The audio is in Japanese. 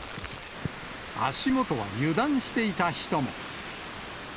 足元は油断していた人も。